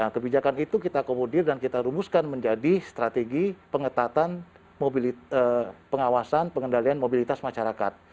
kebijakan itu kita komodir dan kita rumuskan menjadi strategi pengetatan pengawasan pengendalian mobilitas masyarakat